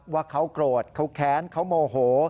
ว่าเขาโกรธเขาแค้นเขาโมโห